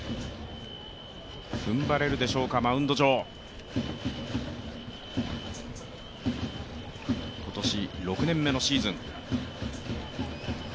踏ん張れるでしょうか、マウンド上今年６年目のシーズン。